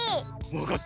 わかった。